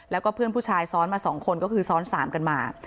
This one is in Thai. แล้วก็เพื่อนผู้ชายซ้อนมา๒คนก็คือซ้อน๓กันมา